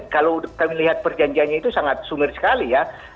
kalau kami lihat perjanjiannya itu sangat sumir sekali ya